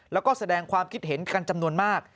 แล้วก็แสดงความคิดเห็นกันจำนวนมาก